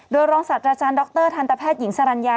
โดยรองศาสตราจารย์ดรทันตแพทย์หญิงสรรญา